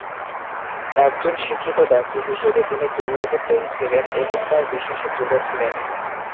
একজন শিক্ষিত ব্যক্তি হিসেবে তিনি দৃঢ়প্রত্যয়ী ছিলেন এবং তার বিশ্বাসে দৃঢ় ছিলেন।